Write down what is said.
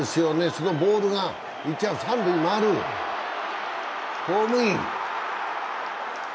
そのボールが、三塁回る、ホームイン。